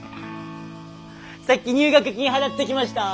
さっき入学金払ってきました。